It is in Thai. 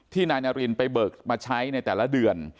นายนารินไปเบิกมาใช้ในแต่ละเดือน